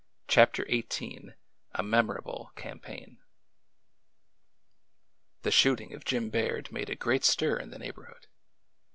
CHAPTER XVIII A MEMORABLE CAMPAIGN HE shooting of Jim Baird made a great stir in the X neighborhood.